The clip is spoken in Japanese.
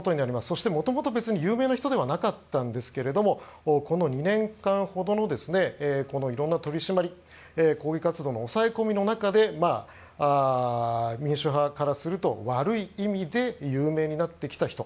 そしてもともと別に有名な人ではなかったんですけれどもこの２年間ほどのいろんな取り締まり抗議活動の抑え込みの中で民主派からすると悪い意味で有名になってきた人。